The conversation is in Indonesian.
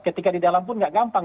ketika di dalam pun nggak gampang